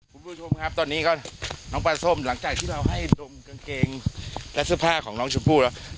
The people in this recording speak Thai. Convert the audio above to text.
คุณผู้ชมครับตอนนี้ก็น้องปลาส้มหลังจากที่เราให้ดมกางเกงและเสื้อผ้าของน้องชมพู่แล้ว